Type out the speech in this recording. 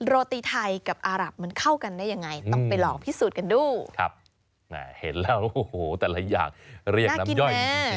โรตีไทยกับอารับมันเข้ากันได้ยังไงต้องไปลองพิสูจน์กันดูครับแหมเห็นแล้วโอ้โหแต่ละอย่างเรียกน้ำย่อยจริง